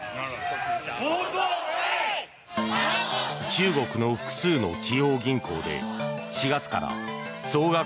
中国の複数の地方銀行で４月から総額